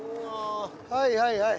はいはいはい。